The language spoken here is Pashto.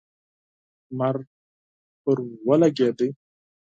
لمر پرې ولګېد.